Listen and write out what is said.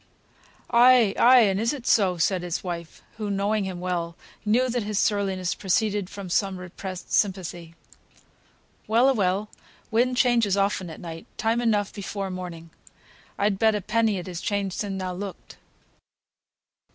"Ay, ay, and is it so?" said his wife, who, knowing him well, knew that his surliness proceeded from some repressed sympathy. "Well a well, wind changes often at night. Time enough before morning. I'd bet a penny it has changed sin' thou looked."